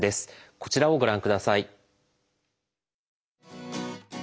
こちらをご覧ください。